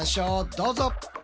どうぞ。